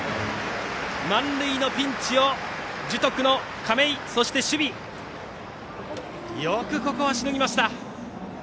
満塁のピンチを樹徳の亀井と、守備でよくしのぎました。